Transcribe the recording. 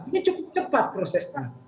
ini cukup cepat prosesnya